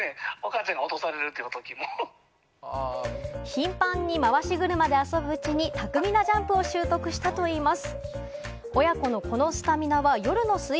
頻繁に回し車で遊ぶうちに、巧みなジャンプを習得したといいます。